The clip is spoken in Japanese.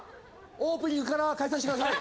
オープニングから再開してください。